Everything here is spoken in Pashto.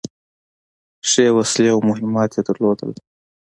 ښې وسلې او مهمات يې درلودل.